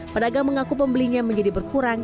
pedagang mengaku pembelinya menjadi berkurang